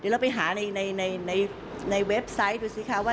เดี๋ยวเราไปหาในเว็บไซต์สิค่ะ